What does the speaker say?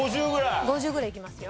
５０ぐらいいけますよ。